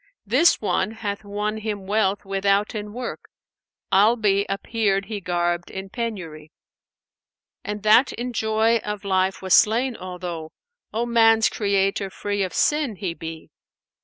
This one hath won him wealth withouten work; * Albe appeared he garbed in penury. And that in joy of life was slain, although * O man's Creator free of sin he be.'